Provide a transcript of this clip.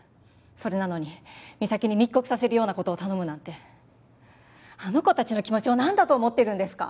それなのに実咲に密告させるようなことを頼むなんてあの子達の気持ちを何だと思ってるんですか